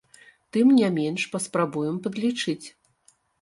Тым не менш, паспрабуем падлічыць.